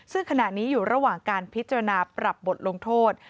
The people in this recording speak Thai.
ซึ่งขณะนี้อยู่ระหว่างการพิจารณาปรับบทลงโทษ